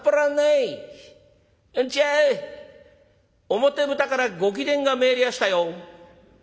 表ぶたからご貴殿が参りやしたよ。